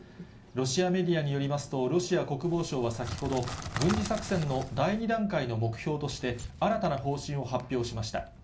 ロシアメディアによりますと、ロシア国防省は先ほど、軍事作戦の第２段階の目標として、新たな方針を発表しました。